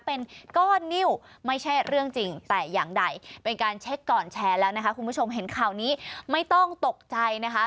เป็นก้อนนิ้วไม่ใช่เรื่องจริงแต่อย่างใดเป็นการเช็คก่อนแชร์แล้วนะคะคุณผู้ชมเห็นข่าวนี้ไม่ต้องตกใจนะคะ